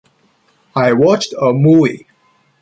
I watched a movie.